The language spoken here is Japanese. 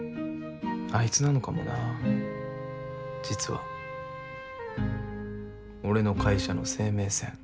あいつなのかもな実は俺の会社の生命線。